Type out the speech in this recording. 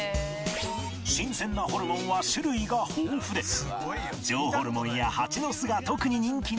新鮮なホルモンは種類が豊富で上ホルモンやハチノスが特に人気なのだが